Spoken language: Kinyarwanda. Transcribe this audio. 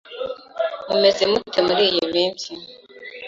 Mumeze mute muriyi minsi?